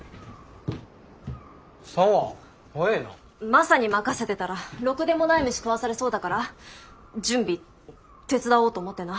マサに任せてたらろくでもない飯食わされそうだから準備手伝おうと思ってな。